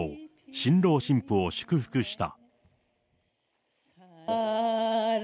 新郎新婦を祝福した。